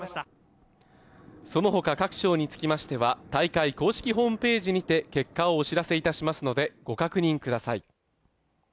そのほか各賞につきましては大会公式ＨＰにて結果をお知らせいたしますのでご確認ください。